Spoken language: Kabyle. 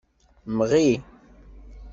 Mɣi.